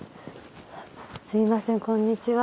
すいませんこんにちは。